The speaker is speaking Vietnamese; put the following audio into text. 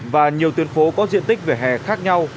và nhiều tuyên phố có diện tích vỉa hè khác nhau